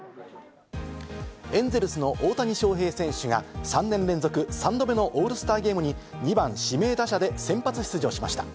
エンゼルスの大谷翔平選手が３年連続３度目のオールスターゲームに２番・指名打者で先発出場しました。